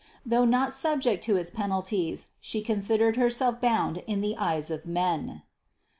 Though not subject to its penalties, she considered herself bound in the eyes of men.